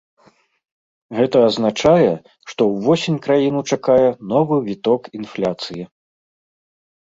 Гэта азначае, што ўвосень краіну чакае новы віток інфляцыі.